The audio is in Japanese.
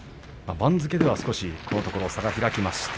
番付ではこのところ差が開きました。